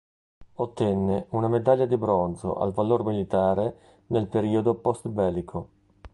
Ottenne una medaglia di bronzo al valor militare nel periodo postbellico.